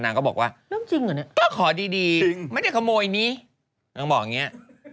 นางก็บอกว่าเรื่องจริงเหรอเนี่ย